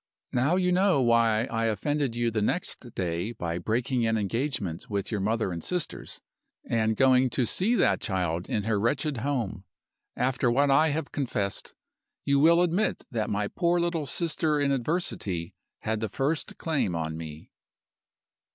Now you know why I offended you the next day by breaking an engagement with your mother and sisters, and going to see that child in her wretched home. After what I have confessed, you will admit that my poor little sister in adversity had the first claim on me.